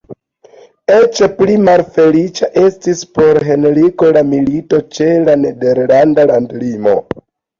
Eĉ pli malfeliĉa estis por Henriko la milito ĉe la nederlanda landlimo.